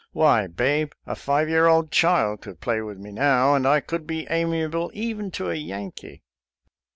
Why, Babe, a five year old child could play with me now, and I could be amiable even to a Yankee."